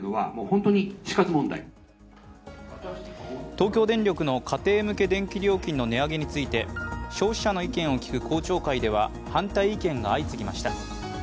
東京電力の家庭向け電気料金の値上げについて消費者の意見を聞く公聴会では反対意見が相次ぎました。